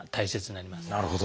なるほど。